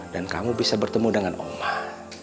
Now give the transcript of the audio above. dan kamu bisa bertemu dengan allah